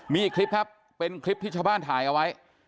มีอีกคลิปครับเป็นคลิปที่ชาวบ้านถ่ายเอาไว้